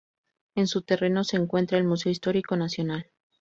En su terreno se encuentra el Museo Histórico Nacional.